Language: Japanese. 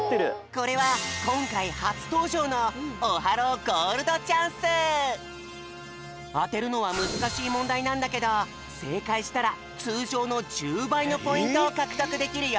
これはこんかいはつとうじょうのあてるのはむずかしいもんだいなんだけどせいかいしたらつうじょうの１０ばいのポイントをかくとくできるよ。